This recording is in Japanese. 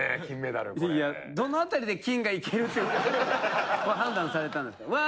金メダルどのあたりで金がいけるっていう判断されたんですか？